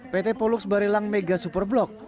pt polux barelang mega superblok